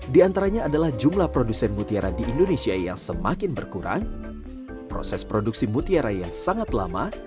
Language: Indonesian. di antaranya adalah jumlah produsen mutiara di indonesia yang semakin berkurang proses produksi mutiara yang sangat lama